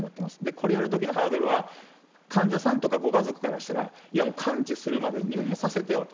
これやるときのハードルは、患者さんとかご家族からしたら、いや、もう完治するまで入院させてよと。